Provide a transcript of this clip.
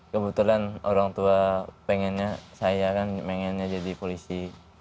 kebetulan orang tua pengennya saya kan pengennya jadi polisi